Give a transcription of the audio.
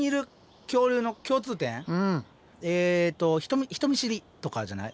えと人見知りとかじゃない？